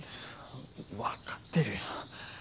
分かってるよ。